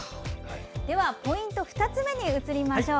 では、ポイント２つ目に移りましょう。